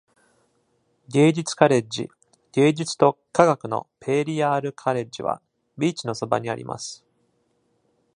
芸術カレッジ、芸術と科学のペーリヤールカレッジは、ビーチのそばにあります。